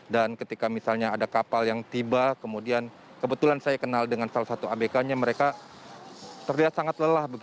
dan ketika misalnya ada kapal yang tiba kebetulan saya kenal dengan salah satu abk nya mereka terlihat sangat lelah